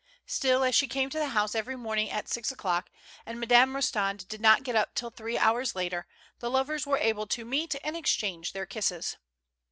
Still as she came to the house every morning at six o'clock, and Madame Rostand did not get up till three hours later, the lovers were able to meet and exchange their kisses.